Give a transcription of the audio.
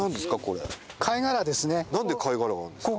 なんで貝殻があるんですか？